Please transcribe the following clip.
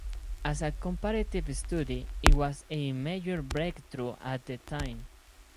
As a comparative study it was a major breakthrough at the time.